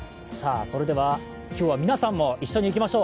今日は皆さんも一緒にいきましょう。